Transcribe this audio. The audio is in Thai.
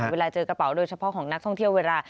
เวลาเจอกระเป๋าโดยเฉพาะของนักท่องเที่ยวเวลา